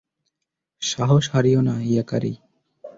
সাহস হারিয়ো না, ইয়াকারি।